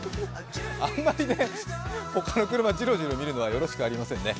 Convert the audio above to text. あんまり他の車、ジロジロ見るのはよろしくありませんね。